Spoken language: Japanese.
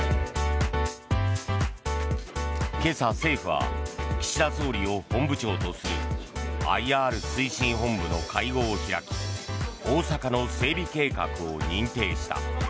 今朝、政府は岸田総理を本部長とするＩＲ推進本部の会合を開き大阪の整備計画を認定した。